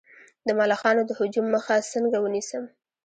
د ملخانو د هجوم مخه څنګه ونیسم؟